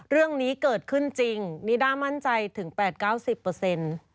เรื่องนี้เกิดขึ้นจริงนิด้ามั่นใจถึง๘๙๐เปอร์เซ็นต์